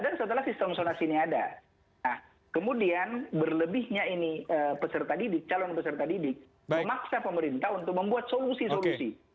ternyata setelah sistem sonasinya ada kemudian berlebihnya ini calon peserta didik memaksa pemerintah untuk membuat solusi solusi